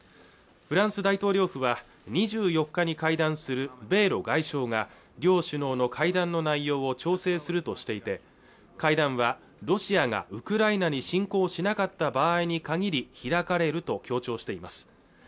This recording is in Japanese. フランス大統領府は２４日に会談する米露外相が両首脳の会談の内容を調整するとしていて会談はロシアがウクライナに侵攻しなかった場合に限り開かれると強調しています